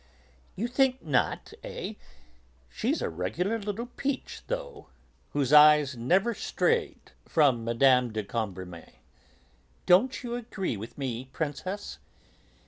"You think not, eh! She's a regular little peach, though," said the General, whose eyes never strayed from Mme. de Cambremer. "Don't you agree with me, Princess?"